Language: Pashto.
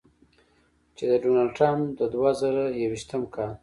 چې د ډونالډ ټرمپ د دوه زره یویشتم کال